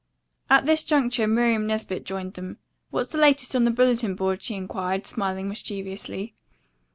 At this juncture Miriam Nesbit joined them. "What's the latest on the bulletin board?" she inquired, smiling mischievously.